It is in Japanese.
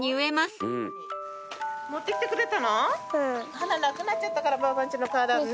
花なくなっちゃったからばあばん家の花壇ね。